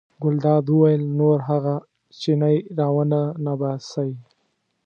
ګلداد وویل نور هغه چینی را ونه ننباسئ.